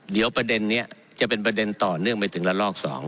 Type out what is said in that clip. เดี๋ยวประเด็นนี้จะเป็นประเด็นต่อเนื่องไปถึงละลอก๒